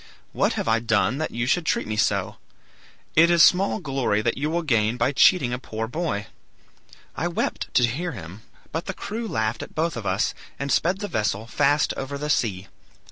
What have I done that you should treat me so? It is small glory you will gain by cheating a poor boy.' I wept to hear him, but the crew laughed at both of us, and sped the vessel fast over the sea.